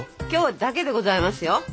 今日だけでございますよ。